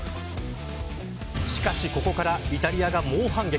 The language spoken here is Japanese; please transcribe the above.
しかし、ここからイタリアが猛反撃。